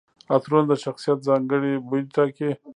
عطرونه د شخصیت ځانګړي بوی ټاکي.